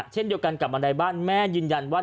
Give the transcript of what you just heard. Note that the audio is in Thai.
เช่นเดียวกันกับบันไดบ้านแม่ยืนยันว่า